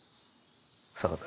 坂田。